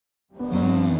うん。